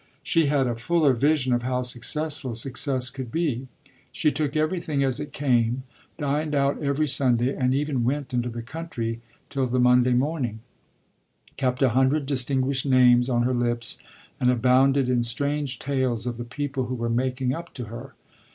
She had a fuller vision of how successful success could be; she took everything as it came dined out every Sunday and even went into the country till the Monday morning; kept a hundred distinguished names on her lips and abounded in strange tales of the people who were making up to her.